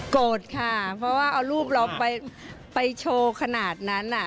โกรธค่ะเพราะว่าเอารูปเราไปโชว์ขนาดนั้น